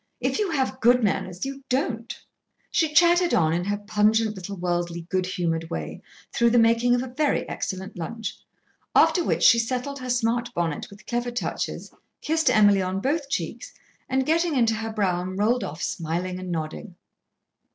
If you have good manners, you don't." She chatted on in her pungent little worldly, good humoured way through the making of a very excellent lunch. After which she settled her smart bonnet with clever touches, kissed Emily on both cheeks, and getting into her brougham rolled off smiling and nodding.